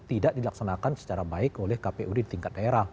tidak dilaksanakan secara baik oleh kpu di tingkat daerah